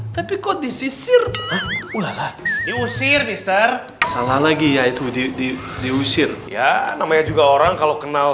tapi kok disisir ulalah diusir mister salah lagi ya itu diusir ya namanya juga orang kalau kenal